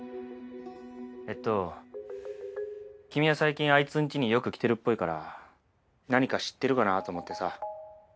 えっと君は最近あいつんちによく来てるっぽいから何か知ってるかなあと思ってさ。